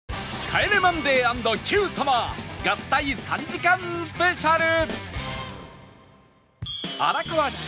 『帰れマンデー』＆『Ｑ さま！！』合体３時間スペシャル